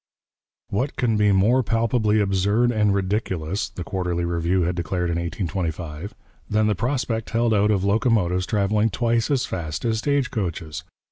'What can be more palpably absurd and ridiculous,' the Quarterly Review had declared in 1825, 'than the prospect held out of locomotives travelling twice as fast as stage coaches!